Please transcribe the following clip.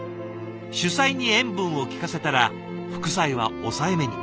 主菜に塩分をきかせたら副菜は抑えめに。